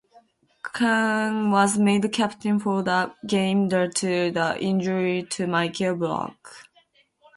Kahn was made captain for that game due to the injury to Michael Ballack.